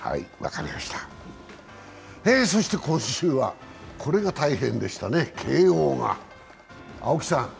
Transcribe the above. そして今週はこれが大変でしたね、慶応が。